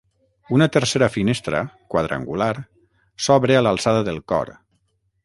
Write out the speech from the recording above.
Una tercera finestra, quadrangular, s'obre a l'alçada del cor.